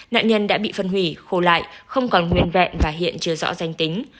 nạn nhân đã bị phân hủy khô lại không còn nguyên vẹn và hiện chưa rõ danh tính